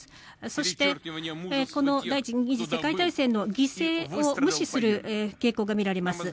そしてこの第２次世界大戦の犠牲を無視する傾向が見られます。